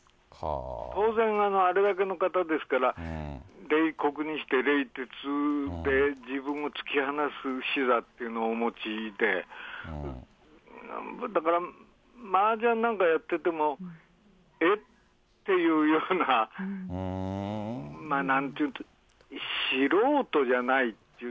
当然、あれだけの方ですから、冷酷にして冷徹で、自分を突き放す手段というのを用いて、だから、マージャンなんかやってても、えっ？っていうような、なんていうか、素人じゃないっていう。